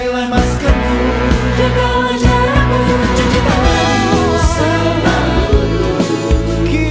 terima kasih banyak